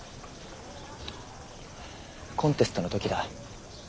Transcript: コンテストの時だ。